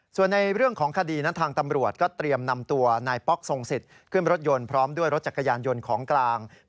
ส่วนในเรื่องของคดีนั้นทางตำรวจก็เตรียมนำตัวนายป๊อกทรงสิทธิ์ขึ้นรถยนต์พร้อมด้วยรถจักรยานยนต์ของกลาง